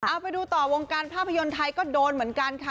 เอาไปดูต่อวงการภาพยนตร์ไทยก็โดนเหมือนกันค่ะ